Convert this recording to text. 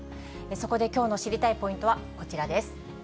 そこできょうの知りたいポイントはこちらです。